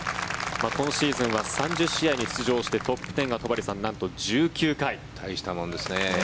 今シーズンは３０試合に出場してトップ１０が大したものですね。